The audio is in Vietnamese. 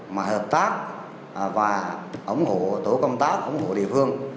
tập tác và ủng hộ tổ công tác ủng hộ địa phương